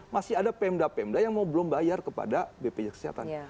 masih ada pemda pemda yang belum bayar kepada bpjs